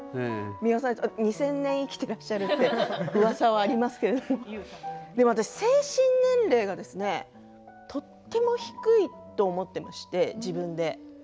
美輪さんは２０００年生きていらっしゃるといううわさがありますけれどもでも精神年齢がとても低いと思っていまして自分で。